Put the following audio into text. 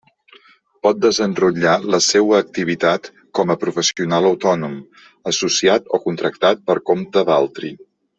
Pot desenrotllar la seua activitat com a professional autònom, associat o contractat per compte d'altri.